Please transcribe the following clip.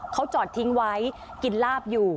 เขาจอดทิ้งไว้กินลาบอยู่